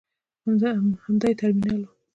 همدا یې ترمینل و.